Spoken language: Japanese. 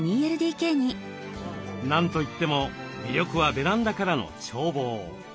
何と言っても魅力はベランダからの眺望。